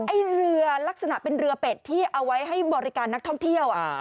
ไอ้เรือลักษณะเป็นเรือเป็ดที่เอาไว้ให้บริการนักท่องเที่ยว